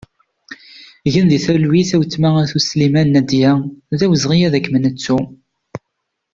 Gen di talwit a weltma At Usliman Nadya, d awezɣi ad kem-nettu!